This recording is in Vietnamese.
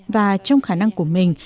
và trong khả năng của mình